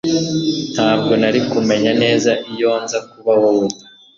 Ntabwo nari kumenya neza iyo nza kuba wowe